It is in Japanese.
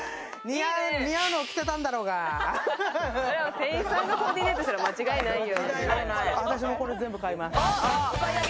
店員さんがコーディネートしたんだから、間違いないよ。